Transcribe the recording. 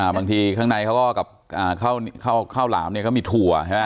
บางทีข้างในข้าวหลามก็มีถั่ว